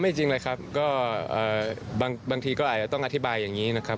จริงเลยครับก็บางทีก็อาจจะต้องอธิบายอย่างนี้นะครับ